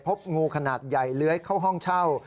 พบงูขนาดใหญ่เลื้อยเข้าห้องเช่า